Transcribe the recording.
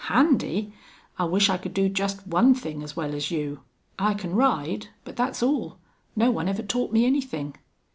"Handy!... I wish I could do just one thing as well as you. I can ride, but that's all. No one ever taught me anything."